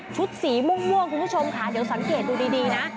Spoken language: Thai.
สีม่วงคุณผู้ชมค่ะเดี๋ยวสังเกตดูดีนะ